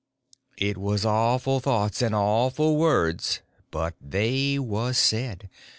It was awful thoughts and awful words, but they was said.